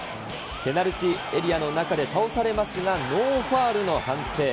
ペナルティーエリアの中で倒されますが、ノーファウルの判定。